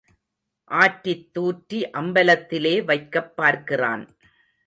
ஆற்றித் தூற்றி அம்பலத்திலே வைக்கப் பார்க்கிறான்.